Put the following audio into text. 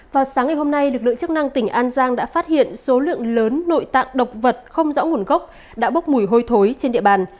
vào sáng ngày hôm nay lực lượng chức năng tỉnh an giang đã phát hiện số lượng lớn nội tạng động vật không rõ nguồn gốc đã bốc mùi hôi thối trên địa bàn